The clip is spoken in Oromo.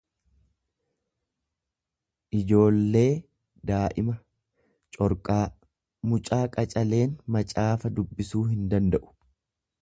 ijoolleee daa'ima, corqaa; Mucaa qacaleen macaafa dubbisuu hindanda'u.